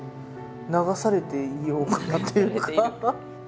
流されていようかなっていうか。